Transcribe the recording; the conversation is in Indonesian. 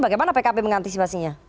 bagaimana pkb mengantisipasinya